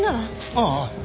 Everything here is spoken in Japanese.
ああ。